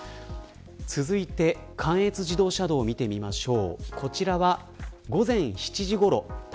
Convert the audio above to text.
続いて関越自動車道を見てみましょう。